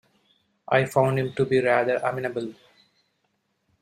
I found him to be rather amenable.